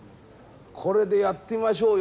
これでやってみましょうよ。